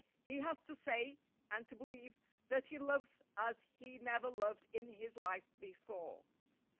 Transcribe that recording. He has to say, and to believe, that he loves as he never loved in his life before.